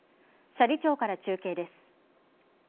斜里町から中継です。